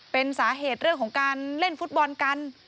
เป็นสาเหตุเรื่องของการเล่นฟุตบอลกัน